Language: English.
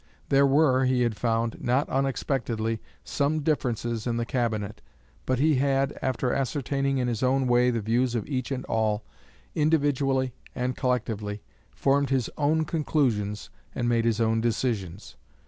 There were, he had found, not unexpectedly, some differences in the Cabinet, but he had, after ascertaining in his own way the views of each and all, individually and collectively, formed his own conclusions and made his own decisions.